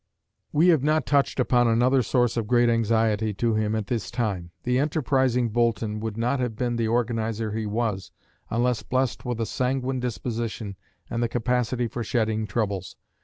We have not touched upon another source of great anxiety to him at this time. The enterprising Boulton would not have been the organiser he was unless blessed with a sanguine disposition and the capacity for shedding troubles.